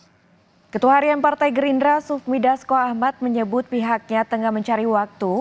hai ketuharian partai gerindra sufmi dasko ahmad menyebut pihaknya tengah mencari waktu